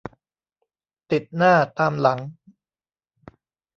ติดหน้าตามหลัง